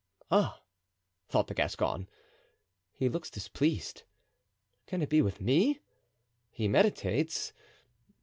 "Ah!" thought the Gascon; "he looks displeased. Can it be with me? He meditates.